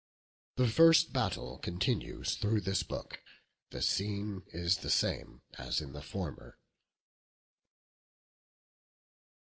The first battle continues through this book. The scene is the same as in the former.